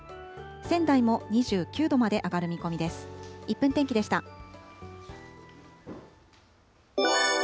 仙台も２９度まで上がる見込みです。